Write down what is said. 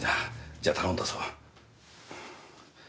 じゃあ頼んだぞ。